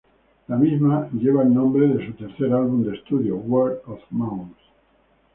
La misma lleva el nombre de su tercer álbum de estudio, Word of Mouth.